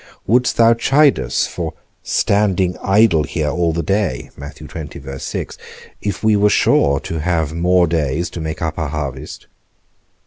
Wouldst thou chide us for standing idle here all the day, if we were sure to have more days to make up our harvest?